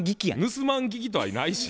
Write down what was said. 盗まん聞きとかないし。